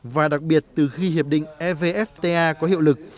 và đặc biệt từ khi hiệp định evfta có hiệu lực